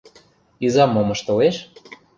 — Изам мом ыштылеш?